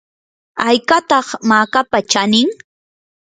¿haykataq makapa chanin?